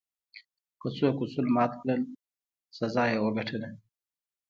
که څوک اصول مات کړل، سزا یې وګټله.